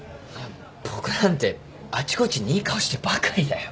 僕なんてあちこちにいい顔してばかりだよ。